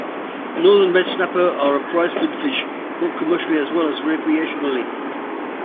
Northern red snapper are a prized food fish, caught commercially, as well as recreationally.